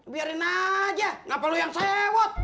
biarin aja kenapa lo yang sewot